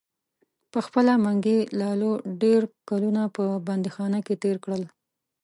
پخپله منګي لالو ډیر کلونه په بندیخانه کې تیر کړل.